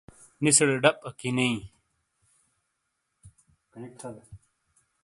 نِیسیڑے ڈب اکی نے ایئں۔